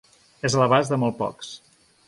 És a l’abast de molt pocs.